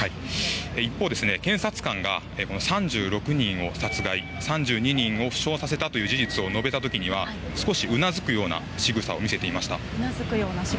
一方、検察官が３６人を殺害、３２人を死傷させたという事実を述べたときには少しうなずくようなしぐさを見せていました。